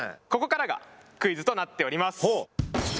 ここからがクイズとなっております。